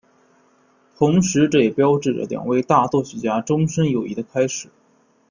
同时这也标志着两位大作曲家终身友谊的开始。